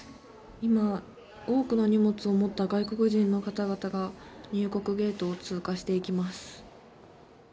今、多くの荷物を持った外国人の方々が入国ゲートを通過していきます。